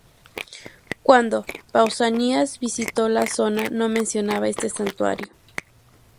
Cuando Pausanias visitó la zona no menciona este santuario.